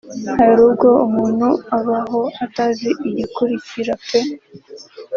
Hari ubwo umuntu abaho atazi igikurikira pe